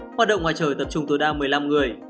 hoạt động ngoài trời tập trung tối đa một mươi năm người